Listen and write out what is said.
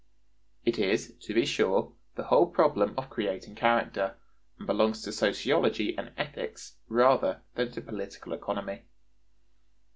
It is, to be sure, the whole problem of creating character, and belongs to sociology and ethics rather than to political economy.